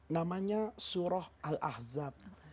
namanya surah al ahzab